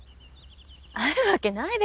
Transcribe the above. あるわけないでしょ！